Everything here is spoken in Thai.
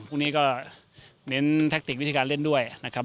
พรุ่งนี้เน้นแทคติกวิธีการเล่นด้วยครับ